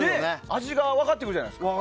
味が分かってくるじゃないですか。